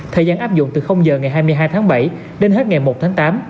thời gian áp dụng từ giờ ngày hai mươi hai tháng bảy đến hết ngày một tháng tám